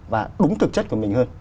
và đúng thực chất của mình hơn